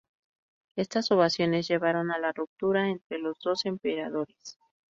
Estas ovaciones llevaron a la ruptura entre los dos emperadores.